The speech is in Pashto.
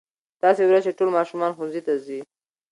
داسې ورځ چې ټول ماشومان ښوونځي ته ځي.